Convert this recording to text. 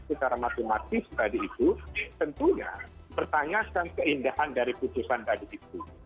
secara matematis tadi itu tentunya pertanyakan keindahan dari putusan tadi itu